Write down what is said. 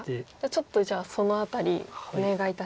ちょっとじゃあその辺りお願いいたします。